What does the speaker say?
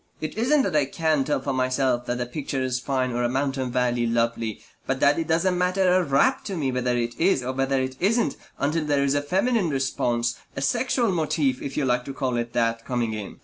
It isn't that I can't tell for myself that a picture is fine or a mountain valley lovely, but that it doesn't matter a rap to me whether it is or whether it isn't until there is a feminine response, a sexual motif, if you like to call it that, coming in.